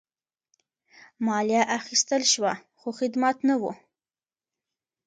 مالیه اخیستل شوه خو خدمت نه وو.